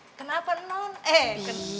makanya papi butuh keluar cari udara segar